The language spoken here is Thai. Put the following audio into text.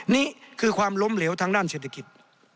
นี่คือความล้มเหลวทางด้านเศรษฐกิจ